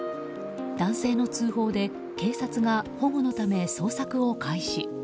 男性の通報で警察が保護のため捜索を開始。